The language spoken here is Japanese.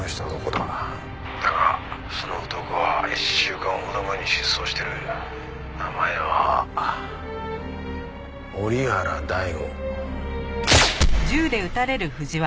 「だがその男は１週間ほど前に失踪してる」名前は折原大吾。